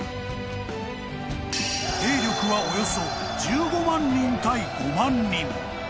［兵力はおよそ１５万人対５万人］